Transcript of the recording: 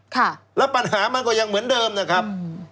ค่ะแล้วปัญหามันก็ยังเหมือนเดิมนะครับ